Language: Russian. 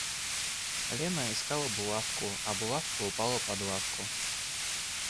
Лена искала булавку, а булавка упала под лавку.